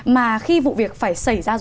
mà khi vụ việc phải xảy ra rồi